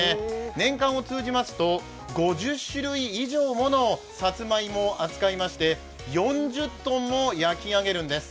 年間を通じますと、５０種類以上ものさつまいもを扱いまして、４０ｔも焼き上げるんです。